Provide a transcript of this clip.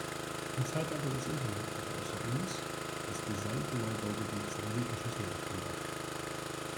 Im Zeitalter des Internet hat außer uns, das gesamte Neubaugebiet Satellitenschüsseln auf dem Dach.